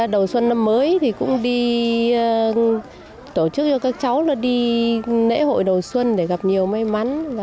đầu xuân năm mới thì cũng đi tổ chức cho các cháu đi lễ hội đầu xuân để gặp nhiều may mắn